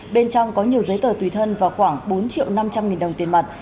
bên trong có nhiều giấy tờ tùy thân và khoảng bốn triệu năm trăm linh nghìn đồng tiền mặt